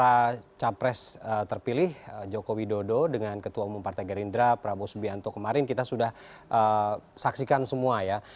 para capres terpilih jokowi dodo dengan ketua umum partai gerindra prabowo subianto kemarin kita sudah saksikan semua ya